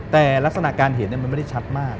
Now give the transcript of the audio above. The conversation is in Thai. แต่ลักษณะการเห็นมันไม่ได้ชัดมาก